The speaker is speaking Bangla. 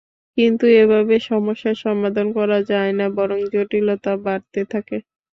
কিন্তু এভাবে সমস্যার সমাধান করা যায় না, বরং জটিলতা বাড়তে থাকে।